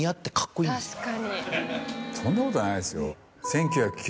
そんなことないですよ。